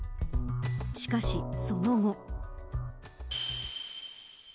しかし、その後。